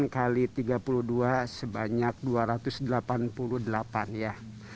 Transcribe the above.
delapan kali tiga puluh dua sebanyak dua ratus delapan puluh delapan ya